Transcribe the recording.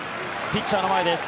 ピッチャーの前です。